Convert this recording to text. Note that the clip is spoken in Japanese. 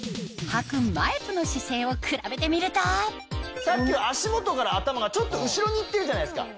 履く前との姿勢を比べてみるとさっきは足元から頭がちょっと後ろに行ってるじゃないですか。